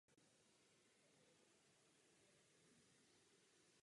Pana Saakašviliho považuji za válečného zločince.